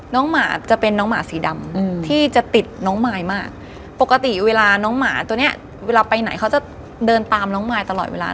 หมาจะเป็นน้องหมาสีดำที่จะติดน้องมายมากปกติเวลาน้องหมาตัวเนี้ยเวลาไปไหนเขาจะเดินตามน้องมายตลอดเวลา